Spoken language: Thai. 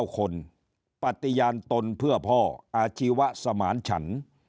๙คนปฏิญาณตนเพื่อพ่ออาชีวะสมานฉัน